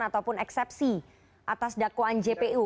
ataupun eksepsi atas dakwaan jpu